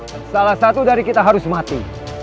dan salah satu dari kita harus mati